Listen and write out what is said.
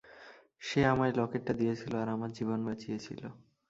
সে আমায় লকেটটা দিয়েছিল আর আমার জীবন বাঁচিয়েছিল।